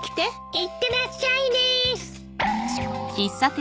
いってらっしゃいです。